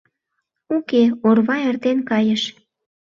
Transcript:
Уке, орва эртен кайыш.